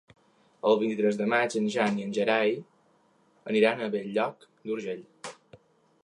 El vint-i-tres de maig en Jan i en Gerai aniran a Bell-lloc d'Urgell.